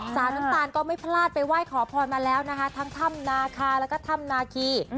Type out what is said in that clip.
สาวน้ำตาลก็ไม่พลาดไปไหว้ขอพรมาแล้วนะคะทั้งถ้ำนาคาแล้วก็ถ้ำนาคี